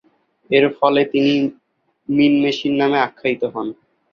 এরফলে তিনি ‘mean machine’ নামে আখ্যায়িত হন।